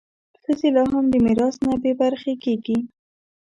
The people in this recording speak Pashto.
ښځې لا هم د میراث نه بې برخې کېږي.